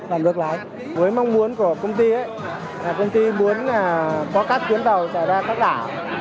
với mong muốn của công ty công ty muốn có các tuyến tàu xảy ra các đảo